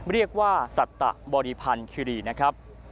เรียกว่าสัตตะบริพันธ์คิรีนะครับ